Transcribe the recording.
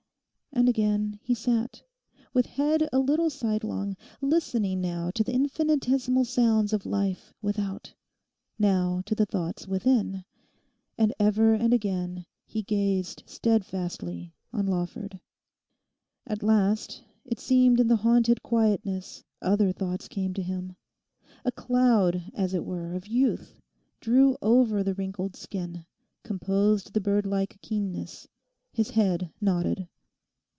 And again he sat, with head a little sidelong, listening now to the infinitesimal sounds of life without, now to the thoughts within, and ever and again he gazed steadfastly on Lawford. At last it seemed in the haunted quietness other thoughts came to him. A cloud, as it were of youth, drew over the wrinkled skin, composed the birdlike keenness; his head nodded.